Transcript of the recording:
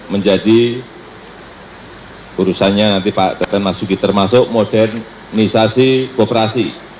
menjadi urusannya nanti pak teten mas duki termasuk modernisasi koperasi